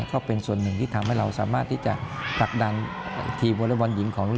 ก็เป็นส่วนหนึ่งที่ทำให้เราสามารถพลักดันทีมโวลย์บอลหญิง